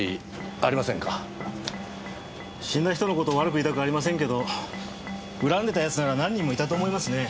死んだ人の事を悪く言いたくありませんけど恨んでた奴なら何人もいたと思いますね。